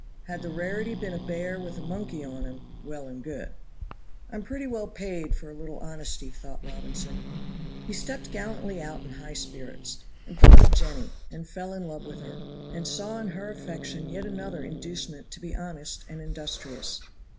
Had the rarity been a bear with a monkey on him, well and good. "I'm pretty well paid for a little honesty," thought Robinson. He stepped gallantly out in high spirits, and thought of Jenny, and fell in love with her, and saw in her affection yet another inducement to be honest and industrious.